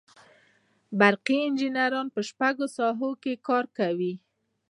برقي انجینران په شپږو ساحو کې کار کوي.